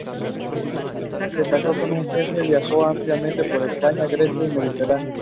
Se casó con su jefe, viajó ampliamente por España, Grecia y el Mediterráneo.